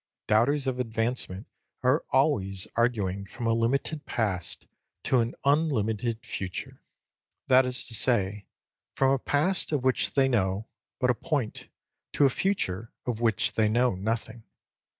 Doubters of advancement are always arguing from a limited past to an unlimited future; that is to say, from a past of which they know but a point, to a future of which they know nothing.